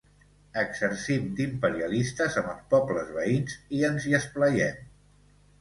Exercim d'imperialistes amb els pobles veïns i ens hi esplaiem.